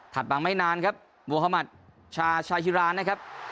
ถัดบางไม่นานครับโมฮามาทชาชาฮิราณนะครับ